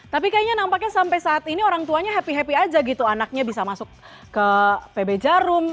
tapi kayaknya nampaknya sampai saat ini orang tuanya happy happy aja gitu anaknya bisa masuk ke pb jarum